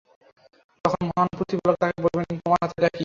তখন মহান প্রতিপালক তাঁকে বললেন - তোমার হাতে এটা কী?